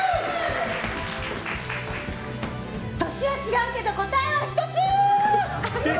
年は違うけど、答えは１つ！